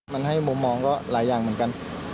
มันให้มุมมองก็หลายอย่างเหมือนกัน